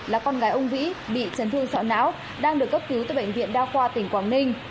là con gái ông vĩ bị trấn thương sọ não đang được cấp cứu từ bệnh viện đao khoa tỉnh quảng ninh